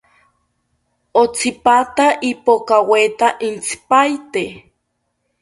Otsipata ipokaweta intzipaete